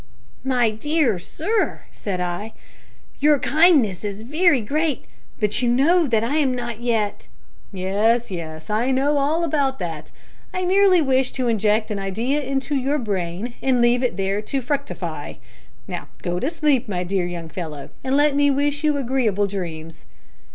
"My dear sir," said I, "your kindness is very great, but you know that I am not yet " "Yes, yes, I know all about that. I merely wish to inject an idea into your brain, and leave it there to fructify. Go to sleep now, my dear young fellow, and let me wish you agreeable dreams."